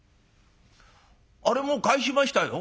「あれもう返しましたよ」。